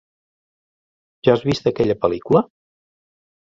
Ja has vist aquella pel·lícula?